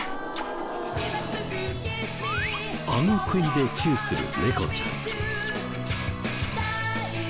顎クイでチューする猫ちゃん。